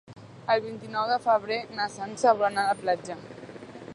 El vint-i-nou de febrer na Sança vol anar a la platja.